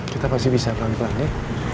kita pasti bisa pelan pelan ya